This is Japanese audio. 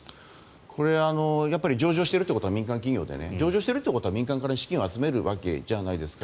これは、上場してるってことは民間企業で上場しているということは民間から資金を集めるわけじゃないですか。